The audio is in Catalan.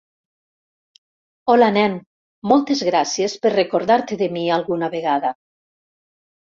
Hola nen, moltes gràcies per recordar-te de mi alguna vegada.